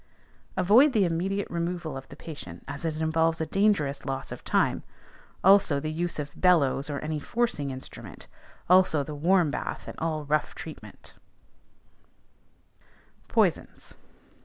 Avoid the immediate removal of the patient, as it involves a dangerous loss of time; also the use of bellows or any forcing instrument; also the warm bath and all rough treatment. POISONS.